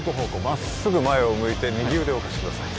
まっすぐ前を向いて右腕を貸してください